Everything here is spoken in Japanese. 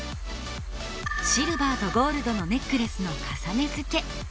シルバーとゴールドのネックレスの重ねづけ。